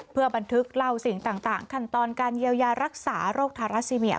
เพื่อบันทึกเล่าสิ่งต่างขั้นตอนการเยียวยารักษาโรคทาราซิเมีย